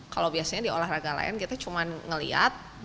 kalau biasanya di olahraga lain kita cuma melihat